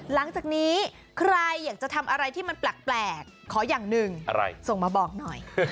หลังจากนี้ใครอยากจะทำอะไรที่มันแปลกขออย่างหนึ่งส่งมาบอกหน่อย